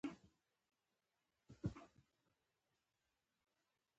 محصول د بازار ته وړاندې کولو مخکې مسؤله اداره یې ازمایي.